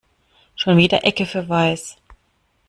Schon wieder Ecke für Weiß.